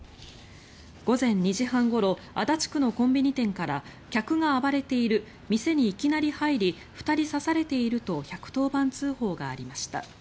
午前２時半ごろ足立区のコンビニ店から客が暴れている店にいきなり入り２人刺されていると１１０番通報がありました。